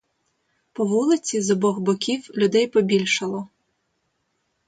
По вулиці, з обох боків, людей побільшало.